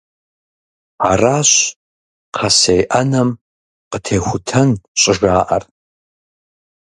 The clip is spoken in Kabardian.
Аращ «кхъэсей Ӏэнэм къытехутэн» щӀыжаӀэр.